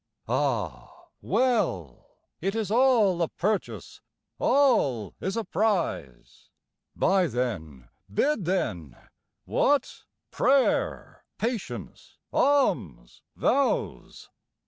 Ah well! it is all a purchase, all is a prize. Buy then! bid then! What? Prayer, patience, alms, vows.